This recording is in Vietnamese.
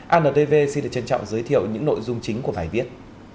antv xin được trân trọng giới thiệu những nội dung chính của bài viết